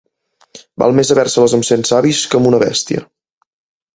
Val més haver-se-les amb cent savis que amb una bèstia.